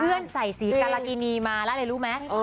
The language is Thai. เพื่อนใส่สีการรกินีมาแล้วเลยรู้ไหม